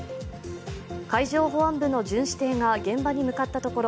海上保安部の巡視艇が現場に向かったところ